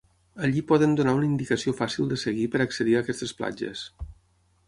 Allí poden donar una indicació fàcil de seguir per accedir a aquestes platges.